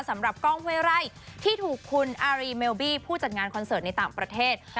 สำหรับกล้องห้วยไร่ที่ถูกคุณอารีเมลบี้ผู้จัดงานคอนเสิร์ตในต่างประเทศ